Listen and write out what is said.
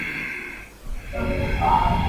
字子上。